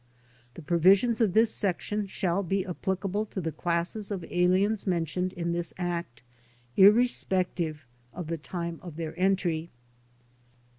%.. The provisions of this section shall be applicable to the classes of aliens mentioned in this act, irre spective of the time of their entry.